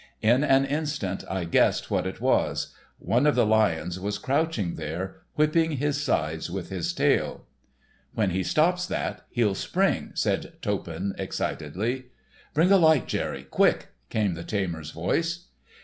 In an instant I guessed what it was; one of the lions was crouched there, whipping his sides with his tail. "When he stops that he'll spring," said Toppan, excitedly. "Bring a light, Jerry—quick!" came the tamer's voice.